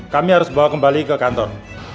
kami harus bawa kembali ke kantor